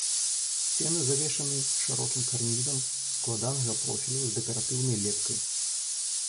Сцены завершаны шырокім карнізам складанага профілю з дэкаратыўнай лепкай.